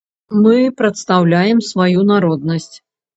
Мы прадстаўляем сваю народнасць.